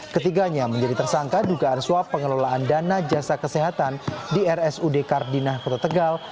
ketiganya menjadi tersangka dugaan suap pengelolaan dana jasa kesehatan di rsud kardinah kota tegal